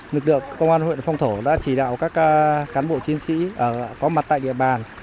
lực lượng công an huyện phong thổ đã chỉ đạo các cán bộ chiến sĩ có mặt tại địa bàn